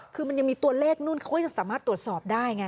คือมันยังมีตัวเลขนู่นเขาก็จะสามารถตรวจสอบได้ไง